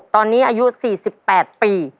ตอนนี้อายุ๔๘ปี